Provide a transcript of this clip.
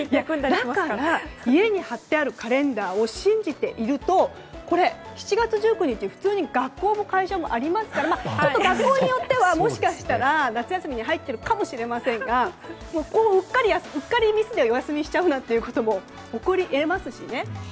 だから家に貼ってあるカレンダーを信じていると７月１９日普通に学校も会社もありますから学校によってはもしかしたら夏休みに入っているかもしれませんがうっかりミスでお休みしちゃうなんてことも起こり得ますしね。